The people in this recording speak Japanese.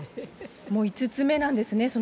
もう５つ目なんですね。